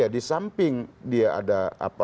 di samping dia ada